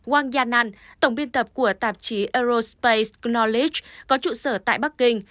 wang yanan tổng biên tập của tạp chí aerospace knowledge có trụ sở tại bắc kinh